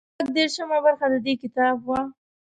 شپږ دېرشمه برخه د دې کتاب وو.